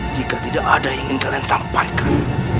jika tidak ada yang ingin kalian sampaikan